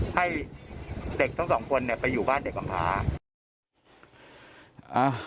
ให้เด็กทั้ง๒คนไปอยู่บ้านเด็กอำพา